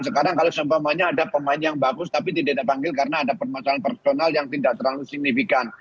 sekarang kalau seumpamanya ada pemain yang bagus tapi tidak dipanggil karena ada permasalahan personal yang tidak terlalu signifikan